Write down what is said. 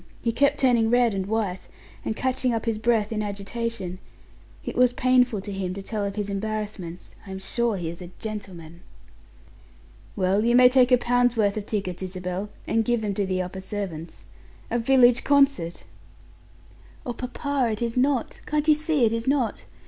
He kept turning red and white, and catching up his breath in agitation; it was painful to him to tell of his embarrassments. I am sure he is a gentleman." "Well, you may take a pound's worth of tickets, Isabel, and give them to the upper servants. A village concert!" "Oh, papa, it is not can't you see it is not?